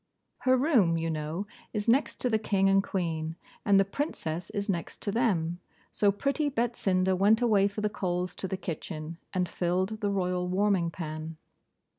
Her room, you know, is next to the King and Queen, and the Princess is next to them. So pretty Betsinda went away for the coals to the kitchen, and filled the royal warming pan.